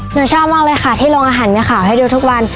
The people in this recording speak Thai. หนูชอบมากเลยค่ะที่โรงอาหารมีข่าวให้ดูทุกวัน